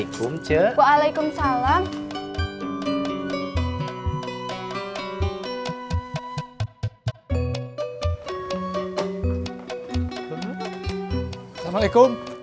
ibu k impacting